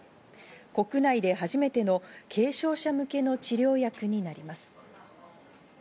国内で初めての軽症者向けの治療薬になります。